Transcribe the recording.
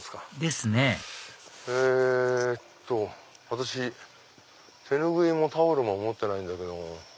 私手拭いもタオルも持ってないんだけども。